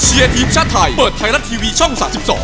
ทีมชาติไทยเปิดไทยรัฐทีวีช่อง๓๒